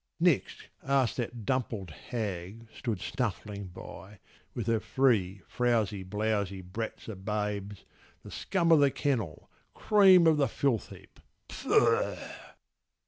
Next ask that dumpled hag, stood snuffling by, With her three frowsy blowsy brats o' babes, The scum o' the kennel, cream o' the filth heap—Faugh!